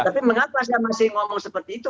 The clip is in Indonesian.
tapi mengapa saya masih ngomong seperti itu